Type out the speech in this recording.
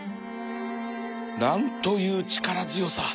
何という力強さ